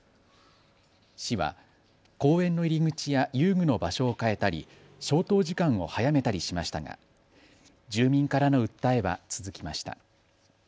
市は公園の入り口や遊具の場所を変えたり、消灯時間を早めたりしましたが住民からの訴えは続きました。